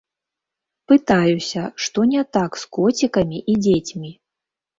Пытаюся, што не так з коцікамі і дзецьмі.